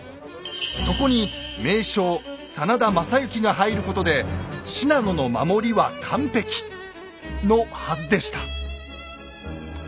そこに名将・真田昌幸が入ることで信濃の守りは完璧！のはずでした。